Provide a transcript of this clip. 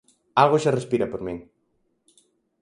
Algo xa respira por min.